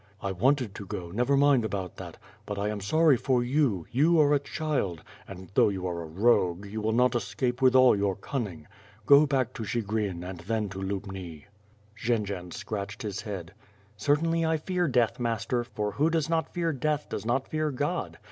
'' "I wanted to go, never mind about that; but I am sorry for you; you are a child, and though you are a rogue, you will not escape with all your cunning. Go back to Chigrin and then to Lubni." Jendzian scratched his head. "Certainly I fear death, master, for who does not fear death, does not fear God.